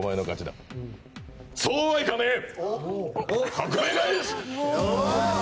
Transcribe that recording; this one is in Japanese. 革命返し！